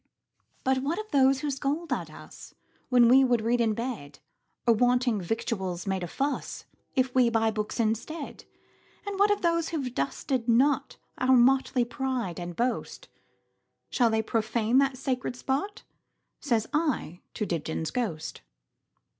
"But what of those who scold at usWhen we would read in bed? Or, wanting victuals, make a fussIf we buy books instead? And what of those who 've dusted notOur motley pride and boast,—Shall they profane that sacred spot?"Says I to Dibdin's ghost.